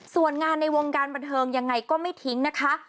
ส่วนงานในวงการบันเทิงยังไงก็ไม่ทิ้งนะคะ